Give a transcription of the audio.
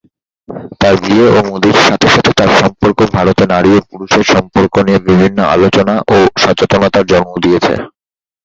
তার বিয়ে ও মোদীর সাথে সাথে তার সম্পর্ক ভারতে নারী ও পুরুষের সম্পর্ক নিয়ে বিভিন্ন আলোচনা ও সচেতনতার জন্ম দিয়েছে।